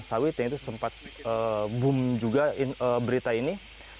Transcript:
sawit yang itu sempat boom juga berita ini